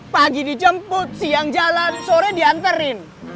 pagi dijemput siang jalan sore diantarin